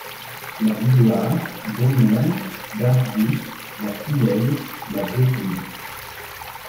La Bidoire, Beaumerle, Dargout, La Filaine, La Betoule.